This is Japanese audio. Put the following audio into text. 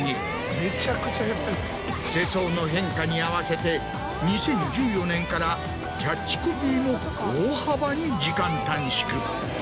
世相の変化に合わせて２０１４年からキャッチコピーも大幅に時間短縮。